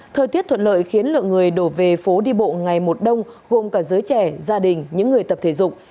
thời tiết thuận lợi khiến lượng người đổ về phố đi bộ ngày một đông gồm cả giới trẻ gia đình những người tập thể dục